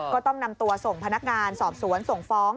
ก็ต้องนำตัวส่งพนักงานสอบสวนส่งฟ้อง